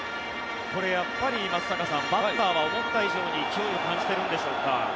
松坂さんバッターは思った以上に球威を感じているんでしょうか。